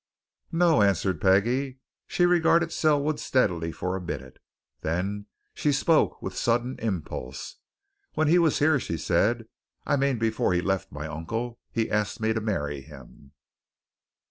"No," answered Peggie. She regarded Selwood steadily for a minute; then she spoke with sudden impulse. "When he was here," she said, "I mean before he left my uncle, he asked me to marry him."